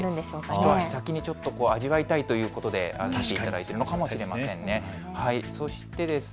一足先に味わいたいということでご覧になられているのかもしれませんね。